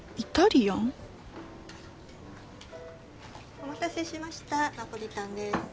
お待たせしましたナポリタンです